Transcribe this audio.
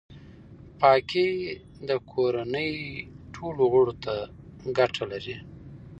پاکي د کورنۍ ټولو غړو ته ګټه لري.